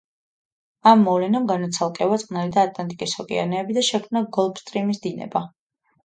ამ მოვლენამ განაცალკევა წყნარი და ატლანტიკის ოკეანეები და შექმნა გოლფსტრიმის დინება.